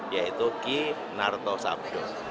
yaitu ki narto sabdo